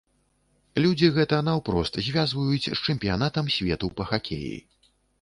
Людзі гэта наўпрост звязваюць з чэмпіянатам свету па хакеі.